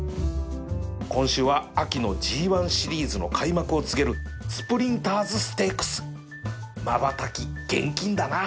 今週は秋の ＧⅠ シリーズの開幕を告げるスプリンターズステークスまばたき厳禁だな